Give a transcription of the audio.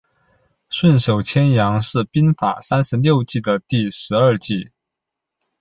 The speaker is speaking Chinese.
顺手牵羊是兵法三十六计的第十二计。